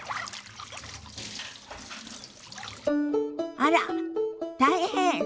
あら大変！